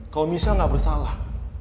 kalo michelle gak bersalah